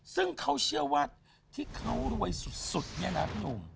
ซึ่งเขาเชื่อว่าที่เขารวยสุดเนี่ยนะพี่หนุ่ม